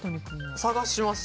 探します。